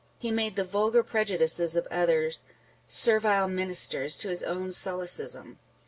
He made the vulgar prejudices of others " servile ministers " to his own solecism.